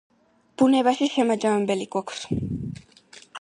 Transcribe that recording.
ბუნებაში შემაჯამებელი გვაქვს